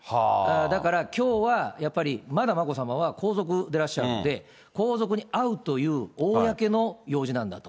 だから、きょうはやっぱりまだ眞子さまは皇族でらっしゃるので、皇族に会うという公の用事なんだと。